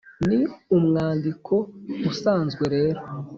Ni umwandiko usanzwe rero.